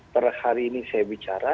per hari ini saya bicara